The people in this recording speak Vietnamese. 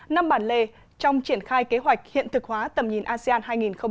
năm bản lề trong triển khai kế hoạch hiện thực hóa tầm nhìn asean hai nghìn hai mươi năm